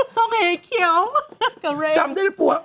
ทรงเหเขียว